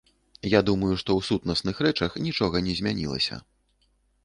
Я думаю, што ў сутнасных рэчах нічога не змянілася.